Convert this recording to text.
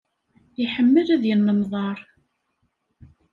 Iḥemmel ad yennemḍar.